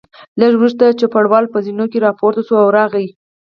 لږ وروسته چوپړوال په زینو کې راپورته شو او راغی.